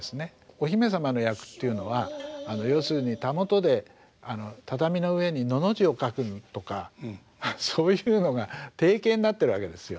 お姫様の役というのは要するにたもとで畳の上に「の」の字を書くとかそういうのが定型になってるわけですよ。